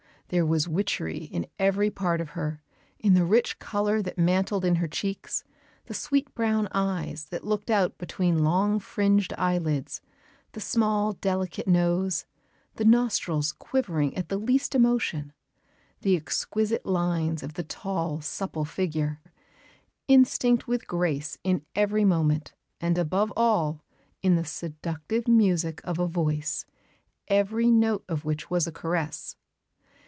There was witchery in every part of her in the rich colour that mantled in her cheeks; the sweet brown eyes that looked out between long fringed eyelids; the small, delicate nose; "the nostrils quivering at the least emotion"; the exquisite lines of the tall, supple figure, instinct with grace in every moment; and, above all, in the seductive music of a voice, every note of which was a caress.